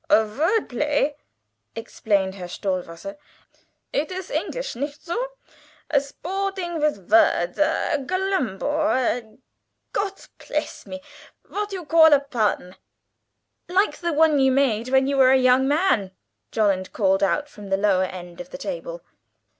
"A vort blay," exclaimed Herr Stohwasser; "it is English, nicht so? A sporting vid vorts a 'galembour' a Gott pless me, vat you call a 'pon.'" "Like the one you made when you were a young man?" Jolland called out from the lower end of the table.